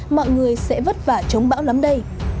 mọi người sẽ vất vả chống bão lắm đây